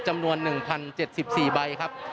จำนวน๑๐๗๔ตัวโดยศาลนะครับ